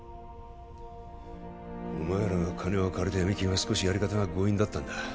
お前らが金を借りたヤミ金は少しやり方が強引だったんだ